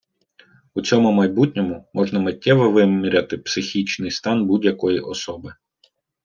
У цьому майбутньому можна миттєво виміряти психічний стан будь-якої особи.